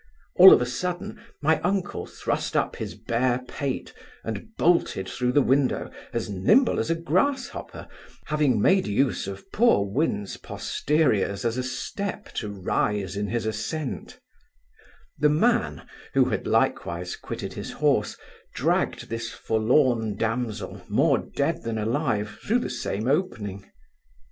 All of a sudden, my uncle thrust up his bare pate, and bolted through the window, as nimble as a grasshopper, having made use of poor Win's posteriors as a step to rise in his ascent The man (who had likewise quitted his horse) dragged this forlorn damsel, more dead than alive, through the same opening.